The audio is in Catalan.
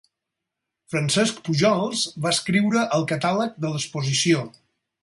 Francesc Pujols va escriure el catàleg de l'exposició.